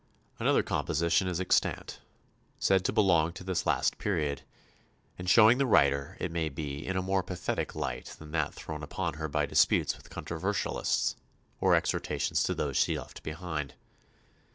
Another composition is extant, said to belong to this last period, and showing the writer, it may be, in a more pathetic light than that thrown upon her by disputes with controversialists, or exhortations to those she left behind.